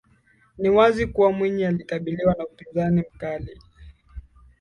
Ni wazi kuwa Mwinyi alikabiliwa na upinzani mkali